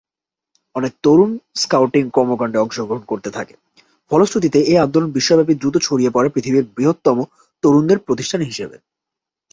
অনেক তরুণ স্কাউটিং কর্মকাণ্ডে অংশগ্রহণ করতে থাকে, ফলস্রুতিতে এই আন্দোলন বিশ্বব্যাপী দ্রুত ছড়িয়ে পড়ে পৃথিবীর বৃহত্তম তরুণদের প্রতিষ্ঠান হিসেবে।